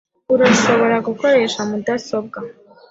Urashobora gukoresha mudasobwa?